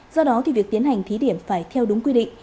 do đó thì việc tiến hành thí điểm phải theo đúng quy định